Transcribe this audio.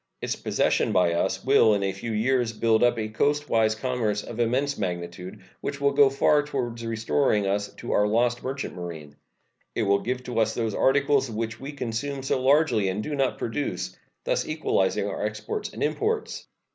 Its possession by us will in a few years build up a coastwise commerce of immense magnitude, which will go far toward restoring to us our lost merchant marine. It will give to us those articles which we consume so largely and do not produce, thus equalizing our exports and imports.